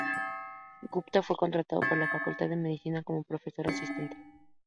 Gupta fue contratado por la Facultad de Medicina como profesor asistente.